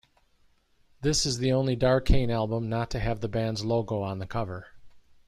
This the only Darkane Album not to have the band's Logo on the cover.